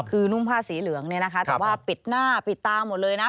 คือนุ่งผ้าสีเหลืองเนี่ยนะคะแต่ว่าปิดหน้าปิดตาหมดเลยนะ